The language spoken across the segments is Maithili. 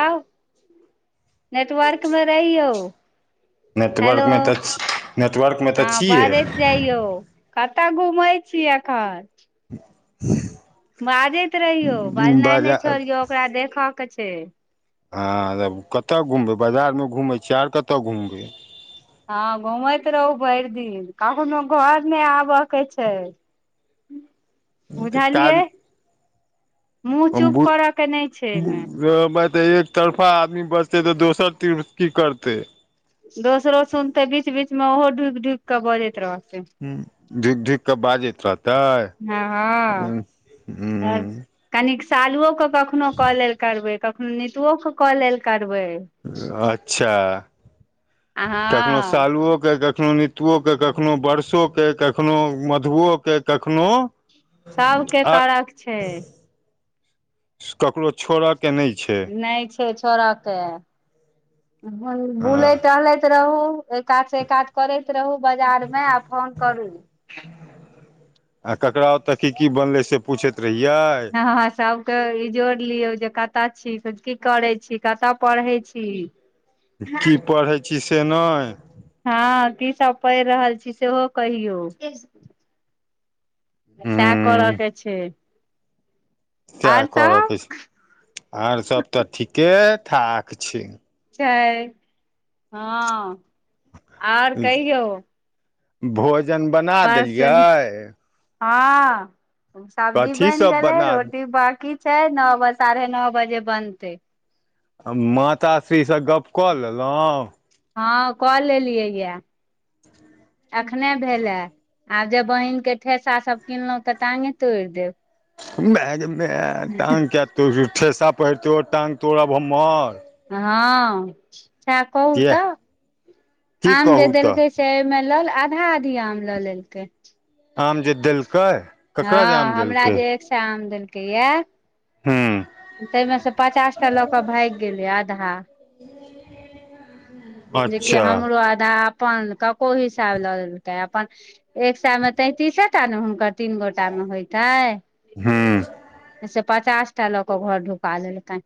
आउ नेटवर्कमे रहियौ, हेलो। नेटवर्कमे तऽ नेटवर्कमे तऽ हँ, छियै बाजैत जइयौ। कतऽ घुमै छी एखन? [inaudible] बाजैत रहियौ, बजेनाइ नहि बाजार छोड़ियौ। ओकरा देखयके छै। हँ तऽ कतऽ घुमबै? बाजारमे घुमै छियै, आओर कतऽ घुमबै? हँ, घुमैत रहू भरि दिन, कखनो घर नहि आबयके छै। [inaudible] काज बुझलियै, मुँह चुप करऽके नहि छै एहिमे। रौ, माइ तऽ एकतरफा आदमी बजतै तऽ दोसर तरफ की करतै? दोसरो सुनतै, बीच बीचमे ओहो ढुकि ढुकि कऽ बजैत रहतै। हँ, ढुकि ढुकि कऽ बजैत रहतै। हँ हँ हूँ आर कनिक सालुओकेँ कखनो कऽ लेल करबै, कखनो नितुओकेँ कऽ लेल करबै। अच्छा, आ कखनो हँ सालुओकेँ कऽ कखनो नीतुओकेँ, कखनो वर्षोकेँ, कखनो मधुओकेँ। सभके कऽ के छै। ककरो छोड़य के नहि छै। नहि छै, छोड़ि के उमहर हँ बुलैत टहलैत रहू। ऐ कातसँ ऐ कात करैत रहू बाजारमे आ फोन करू। आ ककरा ओतऽ की की बनलै से पूछैत रहियै। हँ, सभके ई जोड़ि लियौ जे कतऽ छी, की करै छी, कतऽ पढ़ै छी। की पढ़ै छी से नहि हँ, की सभ पढ़ि रहल छी सेहो कहियौ। सएह हूँ करयके छै। सएह आर सब करयके छै, आर सभ तऽ ठीके ठाक छै। छै हँ और कहियौ? भोजन बना बस देलियै? हँ सब्जी कथी बनि सब गेलै बना रोटी बाकी। छै नौ बजे साढ़े नौ बजे बनतै। आ माताश्रीसँ गप कऽ लेलहुँ? हँ, कऽ लेलियै यऽ, एखनहि भेलै। आब जेब बहिनके ठेसा सभ किनलहुँ तऽ ताङ्गे तोड़ि देब। मे गे, टाँग कऽ तऽ ठेसा पहिरतौ, हमरा तऽ बहुत गुस्सा हेतै। हँ सए कहू किया तऽ, की आम जे कहू तऽ देलकै। से ओमे लऽ आधा आधी आम लऽ लेलकै। आम जे देलकै? ककरा जे आम हँ हमरा देलकै जे एक सए आम देलकै य। हूँ ताहिमे सँ पचासटा लऽ कऽ आधा भाग गेलै। जेकि अच्छा हमरहुँ आधा अपन कऽ हिसाबसँ लऽ लेलकै अपन। एक सऽमे तऽ तैतीसैटा ने, हुनकर तीन गोटामे होइते। हूँ से पचासटा लऽ कऽ घर ढुका लेलकै।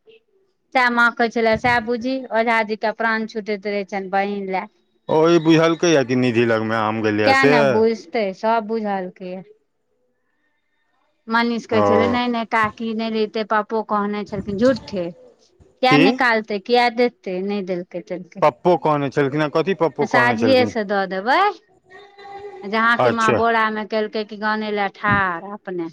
सएह माँ कहै छली, सएह बुझी ओझा जीके प्राण छूटैत रहै छनि बहिन लेल। ओ ई बुझलकै? या कि निधि लगमे आम गेलैये से? तै सब बुझलकै या मनीष कहे छले ओ नहि नहि काकी नहि रहिते पप पो कहने छलखिन झूठे किया की निकालते किया देते नहि देलकै त पो कहने छलखिन हँ कथी पप्पो कहने छलखिन साझियेसँ दऽ देबै जहां क माँ अच्छा बोरा में केलकै की गाने लए ठाढ़ अपने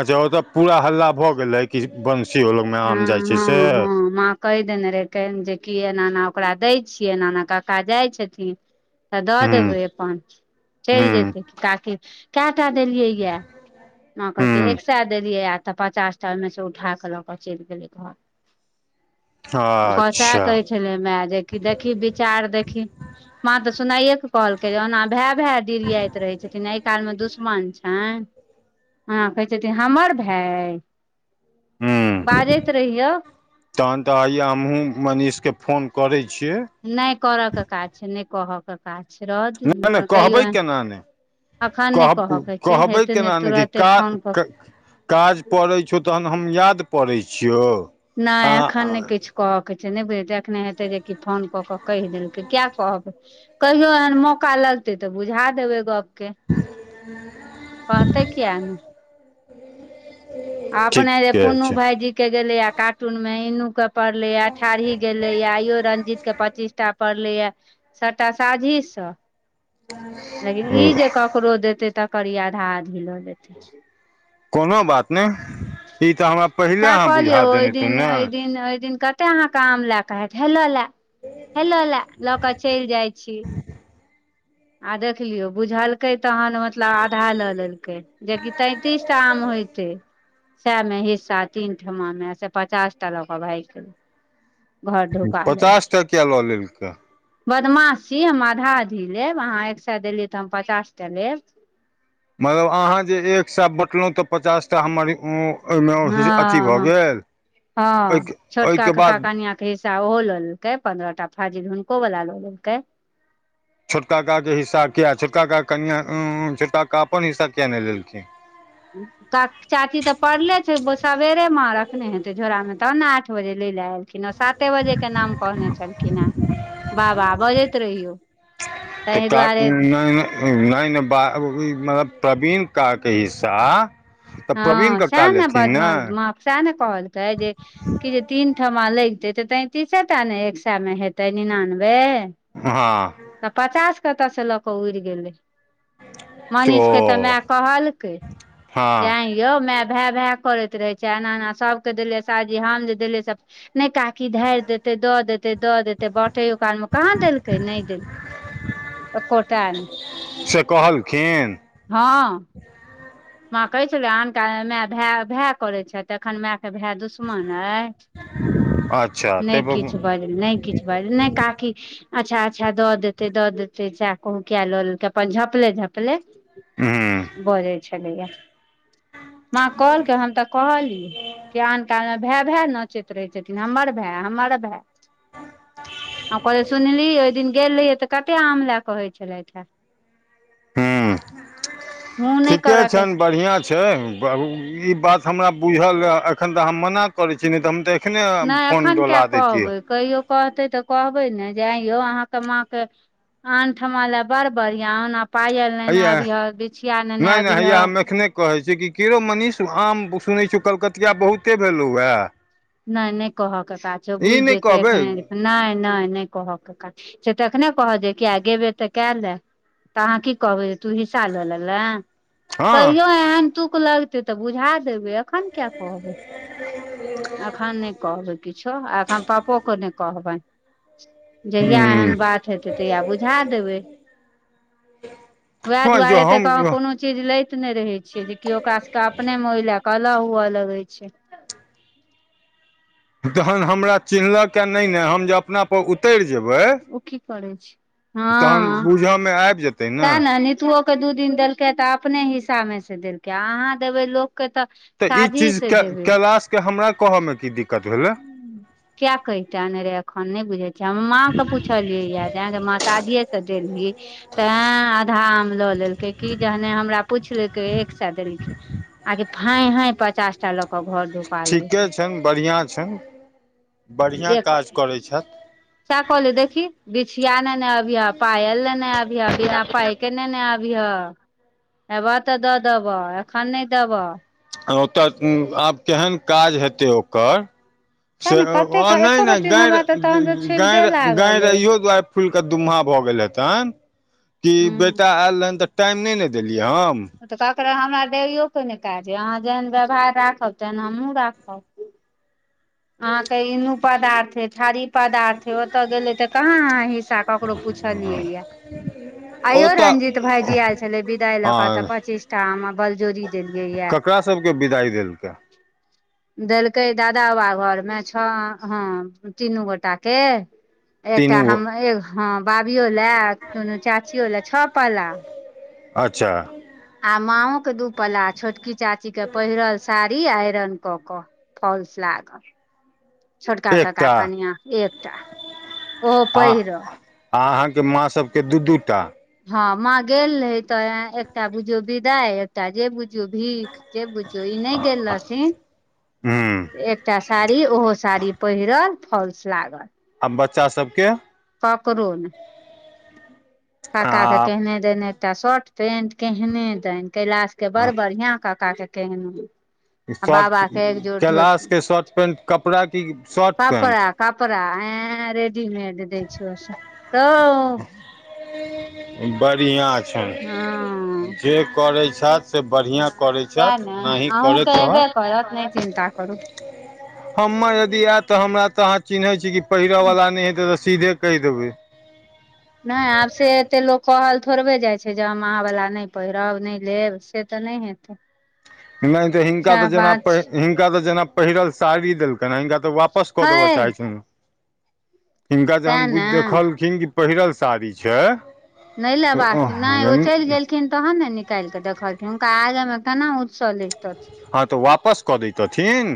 अच्छा ओ तऽ पूरा हल्ला भऽ गेलै कि बंसी लग मे हँ आम जाइ छै से हँ हँ माँ कहि देने रहै जेक एना एना ओकरा दै छियै एना एना काका जाइ छथिन तऽ दऽ हूँ देबै अपन चैल हूँ जेतै ताकि केटा देलियै या न कहल हूँ के एक सए देलियै य तऽ पचास टा ओहिमे से उठा कऽ लऽ कऽ चलि गेलै घर अच्छा भेले माए जे कि देखि विचार देखी माँ त सुनाये के कहल्के जे औना भय भाई दीरयाइत रहै छथिन एहि कानमे दुस्मन छै ह कहै हमर भय है हूँ बाजैत रहियौ तहन तऽ आइया हमहुँ मनीषके फोन करै छीये नहि करयके काज छै नहि कहयके काज छै रह द नहि नहि अपन कहियो कहबै एहन केना ने अखन कह नहि कहयके छै कहबै हेतै नहि केना ने कि तुरते का फोन कऽ काज पड़ै छौ तहन हम याद पड़ै छियौ आ नहि एखन ने किछु कहय के छै नहि बुझेै एखने हेतै जे कि फोन कऽ केऽ कैह देलकै किया कहबै कहियो एहन मौका लगतै तऽ बुझा देबै गप के कहते कियै ने अपने जे ठीके पुन्नू छै भाईजी के गेले आ कार्टून मे इनू के पड़ले अठारही गेले आयो रंजीत के पच्चीस सबटा पड़लै य सभटा साझीसँ लेकिन ओ ई जे ककरो देतै तकर ई आधा आधी लऽ लेतै कोनो बात नहि ई तऽ हमरा पहिले सएह अहाँ बुझा कहलियौ ओहि देने तु दिन ने ओहि दिन ओहि दिन क कते अहाँके आम लए के हत हेलो ले हेलो ले लऽ क चलि जाइ छी आ देख लियौ बुझलकै तहन मतलब आधा लऽ लेलकै जेकि तैंतीस टा आम होयते सएमे हिस्सा तीन ठमामे से पचास टा लऽ कऽ भाग गेलै घर ढुका लेलकै पचासटा किया लऽ लेलके बदमाश छी हम आधा अघी लेब अहाँ एक सए देलियै तऽ हम पचास टा लेब मतलब अहाँ जे एक स बँटलहुँ तऽ पचास टा हमर ओहिमे अथी हँ भऽ हँ गेल ओहिके ओहिके बाद भैसा ओहो लऽ लेलकै पन्द्रह टा फाजिल हुनको वला लऽ लेलकै छोटका काके हिस्सा किया छोटकाके कनिया छोटका का अपन हिस्सा किया नहि लेलखिन तऽ चाची तऽ पड़ले छै सबेरेमे रखने हेतै झोरा मे तब ने आठ बजे लै लऽ आयल खिनँ साते बजेके नाम कहने छलखिन हेँ बाबा बजैत रहियौ ताहि तऽ दुआरे [unintelligible] नहि नहि ब मतलब प्रवीण का के हिस्सा तऽ प्रवीण हँ कक्का सएह ने लेथिन बजब म सएह ने कहलकै जे की तीन ठमा लगते तऽ तैतीसे टा ने एक सा मे हेतै निनानबे हँ तऽ पचास कतऽ से लऽ कऽ उड़ि गेलै तो मनीष के तऽ माय कहलकै जे हँ ऐं यै यौ माय भाय भाय करैत रहे छै एना एना सभके देलियै शादी हम जे देलियै सब नहि काकी धारि देते दऽ देते दऽ देते बाटैयो काल मे कहाँ देलकै नहि देलकै एकोटा नहि से कहलखिन हँ माँ कहै छले अनकाल माय भाय भाय करैत छै एखन माय के भाय दुस मन यै अच्छा नहि ताहि पर हूँ किछ बाज नहि किछ बाज नहि काकी अच्छा अच्छा द देते दऽ देते चा उ किया ललेकै अपन झपले झपले बजै माँ कहलकै हम तऽ कहलियै किया आन कालमे भाय भाय नचैत रहै छथिन हमर भाय हमर भाय आ कहलै सुनली ओहि दिन गेल रहियै तऽ कतेक आम लऽ कहैत छलैथ हे [inaudible] हुँ नय के छैन बढ़िया छै ई बात हमरा बुझल एखन तऽ हम मना करै छी नइ तऽ हम तऽ एखने नहि फोन एखन किया डोला दैतियै कहबै कहियो कहतै तऽ कहबै न अइयो अहाँके माँ केऽ आन ठमा लेय बड़ बढ़िया ओना पायल लेने हैया अबि हँ बिछिया नेेने नहि नहि अबि हँ हैया हम एखने कहै छै कि की रो मनीष आम सुनै छियौ कलकतिया बहुते भेलहुँ ए नइ नइ कहऽ के काज छै ओ ई बुझि नहि जेतै कहबै एखने नइ नइ नइ कहऽ के काज से एखने कहत किया गेबे तऽ कएले तऽ अहाँ की कहबै तू हिस्सा लऽ लेले हँ कहियो एहन तुक लगतै तऽ बुझा देबै एखन किया कहबै [inaudible] अखन नहि कहबै किछो एखन पपोे कऽ नइ कहबै जहिया एहन बात हेतै तहिया बुझा देबै वएह हँ जँ दुआरे तऽ कह हम कोनो चीज लैत ने रहे छ जेकि ओकरा सबके के अपने में ओहि ले क अलग हुए लगे छै तहन हमरा चिन्हलक य नहि नऽ हम जे अपनापर उतैर जेबै ओ की करै छै तहन हँ बूझयमे आबि जेतै ते ने नीतुओ के दू दिन देलकै तऽ अपने हिस्सामे से देलकै अहाँ देबै लोकके तऽ तऽ ई साझी चीज से देबै कैलशके हमरा कहऽमे की दिक्कत भेलै किया कहिता अनेरे अखन नहि बुझैत छै हम माँ के पुछलियै य जे आय गे माँ शादिये से देलही तऽ एय आधा आम लऽ लेलकै कि जहने हमरा पुछलकै एक सौ देलकैय आर फाय हायं पचास टा ल क घर धुपा ठीके लेलकै छैन बढ़ियाॅं छैन बढ़ियाॅं काज करैत छैथ चा कहली देखी बिछिया ने ने अभी ह पायल लेने अभीह अभी बिना पाइ के लेने अभी ह एबह तऽ दऽ देबह एखन नहि देबह ओतऽ आब केहन काज हेतै ओकर [unintelligible] तें ने कतेक एको रति हमरा तऽ तहन तऽ छुबि दे लागल अइ फूलके दुम्हा भऽ गेल हेतन कि बेटा हूँ आय लहन तऽ टाइम नइ न देलियै हम तऽ ककरो हमरा डरोक के नहि काज अइ अहाँ जेहन व्यवहार राखब तेहन हमहुँ राखब अहाँ के इनू पदार्थ हे थारी पदार्थ हे ओतऽ गेले ते कहाँ आहाँ एकटा ककरो पूछलिए यै आइयो ओतऽ रंजीत भाईजी आयल छले विदाई लऽ क तऽ हँ पच्चीस टा आम हम बलजोरी देलियै या केकरा सबके बिदाइ देलकै देलकै दादा बाबा घरमे छ हँ तीनू गोटाके एकटा तीनू गो हम हँ भाभियो लै दुनू चाचियो लै छौ पला अच्छा आ माओ के दू पला छोटकी चाची के पहिरल साड़ी आइरन कऽ कऽ फॉल्स लागल छोटका कका एकटा कनिया के एकटा ओहो पहिरल आ अहाँके माँ सभके दू दू टा हँ माँ गेल रहे तऽ एकटा बुझियौ विदाई एकटा जे बुझियौ भीख जे पूछू ई नहि गेल रहथिन हूँ एकटा साड़ी ओहो साड़ी पहिरल फॉल्स लागल आ बच्चा सबके ककरो नहि काका के आ केहने दनि एकटा शर्ट पेंट केहने दनि कैलाश के बड़ बढ़िया का काका के केहने दुन शर्ट कैलाशके शर्ट पैन्ट कपड़ा‌ के शर्ट पैन्ट कपड़ा कपड़ा ऐ रेडीमेड दै छै ओ सभ बढ़िआँ हँ छनि जे करैत छथि से बढ़ियाँ ते ने अहूँके एयबे करत नहि चिन्ता करू हम्मर यदि आयत तऽ हमरा तऽ अहाँ चिन्हैत छी कि पहिरयवला नहि हेतै तऽ सीधे कहि देबै नहि आब से ऐते लोक कहल थोड़बे जाइ छै जे हम अहाँ वाला नहि पहिरब नहि लेब से तऽ नहि हेतै त हिनका एत सएह जेना बात छै हिनका तऽ जेना पहिरल साड़ी देलकनि ह हिनका तऽ वापस वापस कऽ देबऽ हइ चाहि हिनका तें जहन ने देखलखिन पहिरल सारी छै नहि ले बाक नहि ओ चलि हँ गेलखिन तहन ने नीक निकाल कऽ देखलखिन हुनका आगा मे केना उत्सव लै तथिन हँ तऽ वापस कऽ दथिन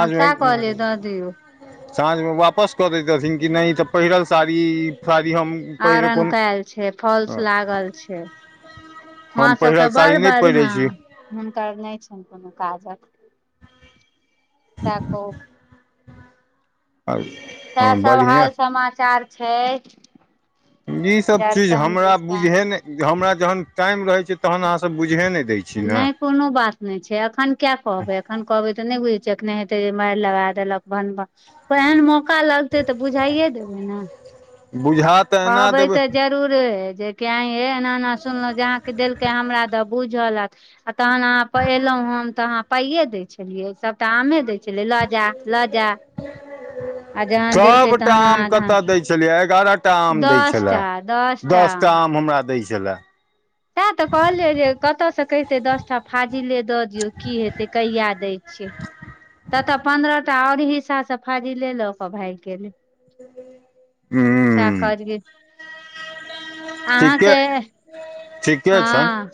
हम सएह कहलियै दऽ दियौ साँझमे वापस कऽ देथिन कि नहि ई तऽ पहिरल साड़ी हम पहिर आइरन कोन कैल छै फॉल्स लागल छै मां हम सबके पहिरल बड़ साड़ी नहि बढ़िया पहिरै छी हुनकर नहि छनि कोनो काजक सह कह आ [inaudible] सएह सब हाल समाचार छै ई सब चारि चीज साँझ हमरा दिसका बुझे ने हमरा जहन टाइम रहै छै तहन अहाँ सब बुझहे नहि दै छी ने नहि कोनो बात नहि छै अखन किया कहबै एखन कहबै तऽ नहि बुझैत छियै रखने हेतै जे मारि लगा देलक एहन मौका लगतै तऽ बुझाइे देबै ने बुझा त कहबय त जरूरे जे एये एना एना सुनलहु जहाँके देलकै हमरा त बुझलत आ तहन अहाँ एलहुँ हम तऽ अहाँ पाइए दै छलियै सभटा आमे दै छलियै लऽ जा लऽ जा आ जहन देलकै सभटा तहन आम आधा कतय दै छलियै एगारह टा आम देै छले दस टा आम हमरा दै छले तैं तऽ कहलियै जे कतयसँ कहितै दसटा फाजिले दऽ दियौ की हेतै कहिया दै छियै तत पन्द्रह टा आओर हिसाब से फाजीले लक भाग गेल हू कहलियै ठीके अहाँके ठीक हँ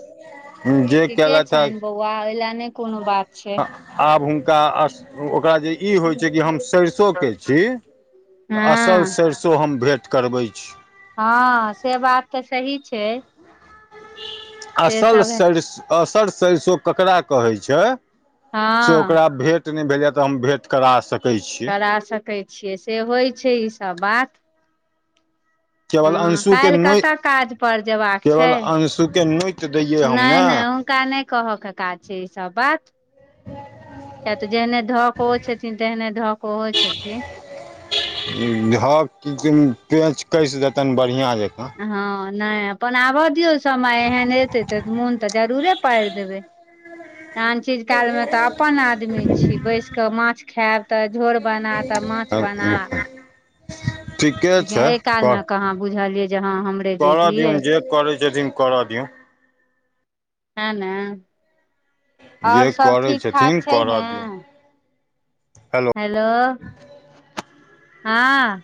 ठीके कयलथि छैन बौआ वेले नहि कोनो बात छै आब हुनका ओकरा जे ई होइत छै कि हम सरिसोके छी असल हँ सरसों हम भेँट करबै छी हँ से बात तऽ सही छै से असल सब सरस असल सरसों केकरा कहै छै से हँ ओकरा भेंट नहि भेल य तऽ हम भेंट करा सक करा सकैत छियै से होइत छै ईसभ बात केवल हँ अंशुके काल्हि नोइ कतऽ काज पर जेबाक छै केवल अंशुके नोति दैयै हम नहि नहि हुनका नहि कह के काज छै ई सब बात किए तऽ जेहने धकऽओ छथिन तेहने धऽकऽओहो छथिन ह पेच कैस देतनि बढ़िआ जकाँ हँ नहि अपन आब दियौ समय एहन एतै त मोन तऽ जरूरे पारि देबै त चीज कालमे त अपन आदमी छी बैस क माछ खायब त झोर बना त माछ बना ठीके लेकिन छै एहि त कालमे कहाँ बुझलियै जे हँ हमरे जे कर दियऔ छियै जे करै छथिन कर दियऔ हाना जे आओर सब करै ठीक ठाक छथिन छै करऽ ने दियौन हेलो हँ